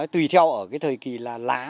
tùy theo ở thời kỳ là lá